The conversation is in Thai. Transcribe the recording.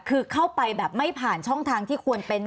คือเข้าไปแบบไม่ผ่านช่องทางที่ควรเป็น